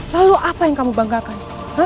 lalu apa yang kamu banggakan